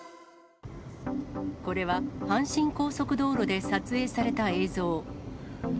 これは阪神高速道路で撮影された映像。